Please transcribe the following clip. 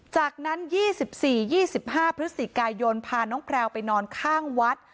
จากนั้น๒๔๒๕พฤศจิกายนพาน้องแพลวไปนอนข้างวัด